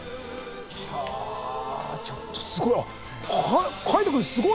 ちょっとすごい。